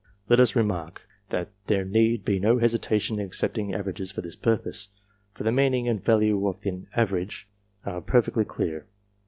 Let me remark, that there need be no hesitation in accepting averages for this purpose ; for the meaning and value of an average are perfectly clear.